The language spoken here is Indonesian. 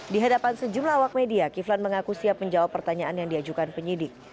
di hadapan sejumlah awak media kiflan mengaku siap menjawab pertanyaan yang diajukan penyidik